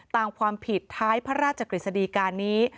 ตามความผิดท้ายพระราชกฤษฎีการนี้